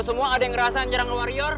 lu semua ada yang ngerasa nyerang warior